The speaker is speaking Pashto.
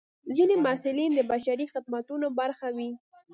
ځینې محصلین د بشري خدمتونو برخه وي.